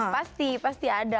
pasti pasti ada